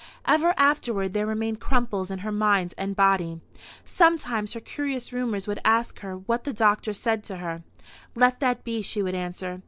Ever afterward there remained crumples in her mind and body. Sometimes her curious roomers would ask her what the doctor said to her. "Let that be," she would answer.